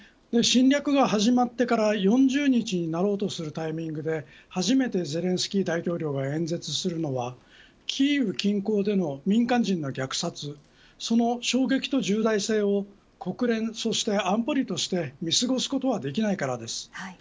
侵略が始まってから４０日になろうとするタイミングで初めてゼレンスキー大統領が演説するのはキーウ近郊での民間人の虐殺その衝撃と重大性を国連そして安保理として見過ごすことはできないからです。